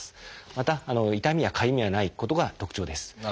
また痛みやかゆみがないことが特徴です。